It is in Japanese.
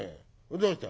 どうした？」。